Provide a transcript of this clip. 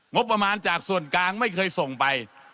งบประมาณจากส่วนกลางไม่เคยส่งไป